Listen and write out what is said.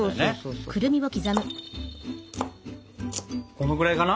このぐらいかな？